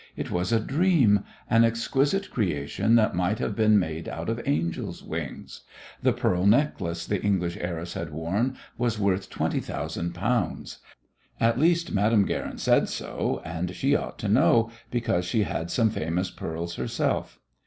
It was a dream, an exquisite creation that might have been made out of angels' wings. The pearl necklace the English heiress had worn was worth twenty thousand pounds. At least, Madame Guerin said so, and she ought to know, because she had some famous pearls herself.